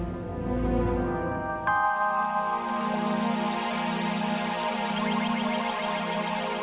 dia biarkan kamu pergi